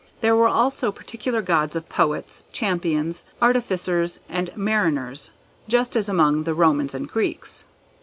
There were also particular gods of poets, champions, artificers and mariners, just as among the Romans and Greeks.